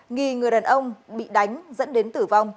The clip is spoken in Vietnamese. nghi người đàn ông bị đánh dẫn đến tử vong